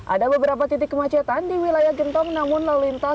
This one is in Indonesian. ada beberapa titik kemacetan di wilayah gentong namun lalu lintas